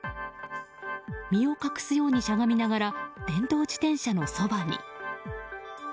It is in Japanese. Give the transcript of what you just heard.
身を隠すようにしゃがみながら電動自転車のそばに。